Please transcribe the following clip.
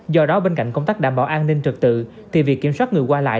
do đó bên cạnh công tác đảm bảo an ninh trật tự thì việc kiểm soát người qua lại